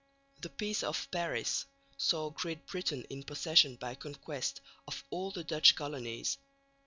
The Peace of Paris saw Great Britain in possession by conquest of all the Dutch colonies.